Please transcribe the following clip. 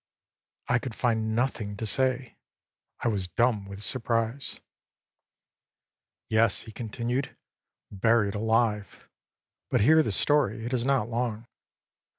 â I could find nothing to say, I was dumb with surprise. âYes,â he continued, âburied alive; but hear the story, it is not long.